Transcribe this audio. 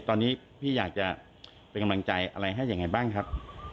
ตอนนี้พี่อยากจะเป็นกำลังใจอะไรให้ยังไงบ้างครับ